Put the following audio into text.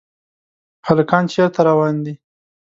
هلکان چېرته روان دي ؟